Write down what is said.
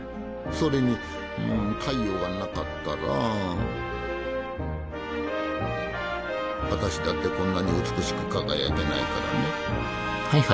それに太陽がなかったらあたしだってこんなに美しく輝けないからね。